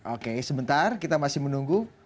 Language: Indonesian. oke sebentar kita masih menunggu